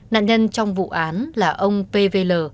nạn nhân trong vụ án là ông p v l